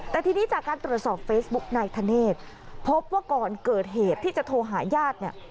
แต่ทีนี้จากการตรวจสอบเฟซบุ๊กนายธเนธพบว่าก่อนเกิดเหตุที่จะโทรหาญาติเนี่ย